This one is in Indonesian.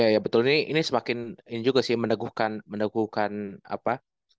ya betul ini ini semakin ini juga sih mendaguhkan mendaguhkan apa